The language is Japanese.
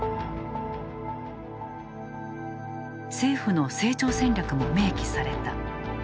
政府の成長戦略も明記された。